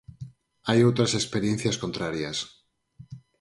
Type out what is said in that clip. Hai outras experiencias contrarias.